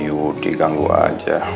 si yudi ganggu aja